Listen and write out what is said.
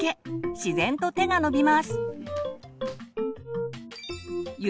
自然と手が伸びます。